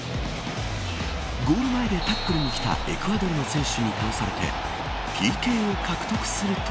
ゴール前でタックルに来たエクアドルの選手に倒されてＰＫを獲得すると。